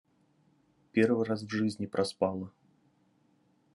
Первый раз в жизни проспала.